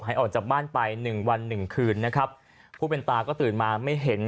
หายออกจากบ้านไป๑วัน๑คืนผู้เป็นตาก็ตื่นมาไม่เห็น